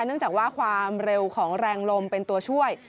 เนื่องจากว่าความเร็วของแรงลมเป็นตัวช่วย